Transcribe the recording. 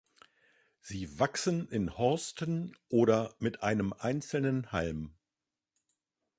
Sie wachsen in Horsten oder mit einem einzelnen Halm.